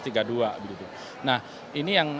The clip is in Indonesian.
nah ini yang kemudiannya